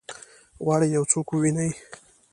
غواړي یو څوک وویني؟